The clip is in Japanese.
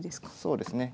そうですね。